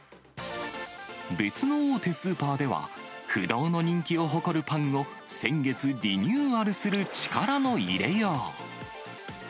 別の大手スーパーでは、不動の人気を誇るパンを先月、リニューアルする力の入れよう。